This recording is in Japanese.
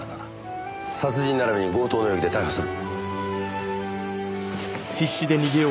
殺人並びに強盗容疑で逮捕する。